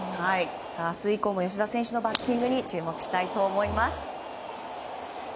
明日以降も吉田選手のバッティングに注目したいと思います。